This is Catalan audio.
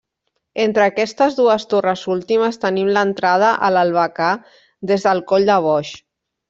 Entre aquestes dues torres últimes tenim l'entrada a l'albacar des del Coll de Boix.